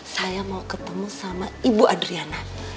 saya mau ketemu sama ibu adriana